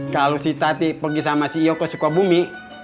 kalau si tati pergi sama si yoko sikwabumi